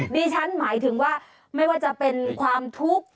ดิฉันหมายถึงว่าไม่ว่าจะเป็นความทุกข์